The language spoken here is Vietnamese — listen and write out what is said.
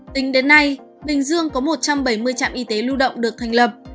tính đến nay bình dương có một trăm bảy mươi trạm y tế lưu động được thành lập